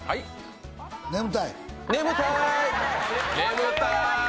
眠たい。